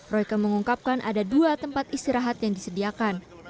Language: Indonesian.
royke mengungkapkan ada dua tempat istirahat yang disediakan